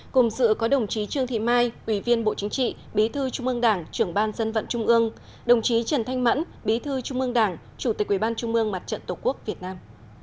cùng dự có đồng chí trương thị mai ủy viên bộ chính trị bí thư trung ương đảng trưởng ban dân vận trung ương đồng chí trần thanh mẫn bí thư trung ương đảng chủ tịch ủy ban trung mương mặt trận tổ quốc việt nam